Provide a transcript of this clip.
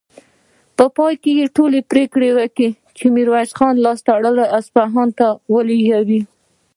په پای کې ټولو پرېکړه وکړه چې ميرويس خان لاس تړلی اصفهان ته ولېږي.